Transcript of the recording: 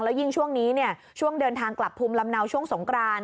ยิ่งช่วงนี้ช่วงเดินทางกลับภูมิลำเนาช่วงสงกราน